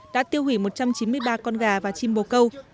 đã tiêu hủy một trăm chín mươi ba con gà và chim bồ câu